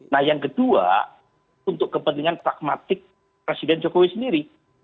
nah yang kedua untuk kepentingan pragmatik presiden jokowi sendiri